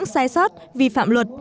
sai sót vi phạm luật